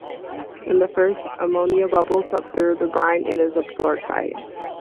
In the first, ammonia bubbles up through the brine and is absorbed by it.